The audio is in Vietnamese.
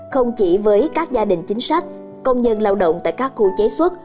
không chỉ với các gia đình chính sách công nhân lao động tại các khu chế xuất